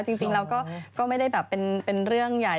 จริงแล้วก็ไม่ได้แบบเป็นเรื่องใหญ่